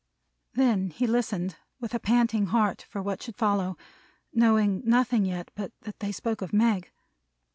Then he listened, with a panting heart, for what should follow. Knowing nothing yet, but that they spoke of Meg.